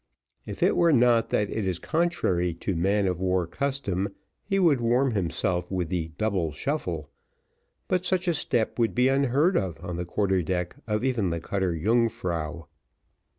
If it were not that it is contrary to man of war custom he would warm himself with the double shuffle, but such a step would be unheard of on the quarter deck of even the cutter Yungfrau.